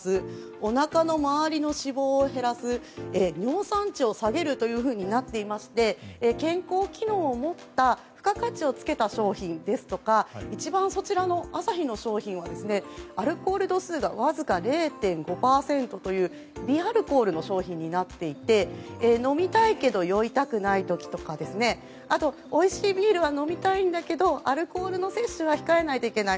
おなかの回りの脂肪を減らす尿酸値を下げるというふうになっていまして健康機能を持った付加価値を付けた商品とかアサヒの商品はアルコール度数がわずか０．５％という微アルコールの商品になっていて飲みたいけど酔いたくない時とかおいしいビールは飲みたいけどアルコールの摂取は控えないといけない。